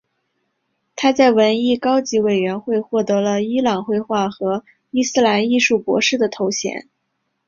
他在文艺高级委员会获得了伊朗绘画和伊斯兰艺术博士头衔。